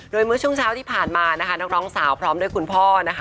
โดยเมื่อช่วงเช้าที่ผ่านมานะคะนักร้องสาวพร้อมด้วยคุณพ่อนะคะ